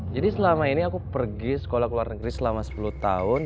jadi selama ini aku pergi sekolah ke luar negeri selama sepuluh tahun